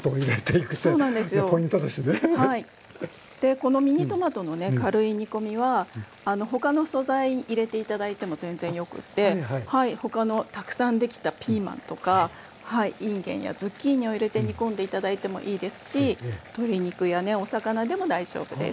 でこのミニトマトのね軽い煮込みは他の素材入れて頂いても全然よくって他のたくさん出来たピーマンとかインゲンやズッキーニを入れて煮込んで頂いてもいいですし鶏肉やねお魚でも大丈夫です。